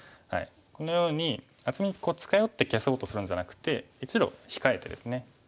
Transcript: このように厚みに近寄って消そうとするんじゃなくて１路控えてですね。